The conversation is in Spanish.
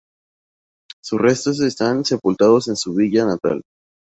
Sus restos están sepultados en su villa natal.